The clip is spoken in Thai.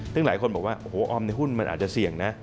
ซึ่งหลายคนบอกว่าโอ้โหออมในหุ้นมันอาจจะเสี่ยงนะ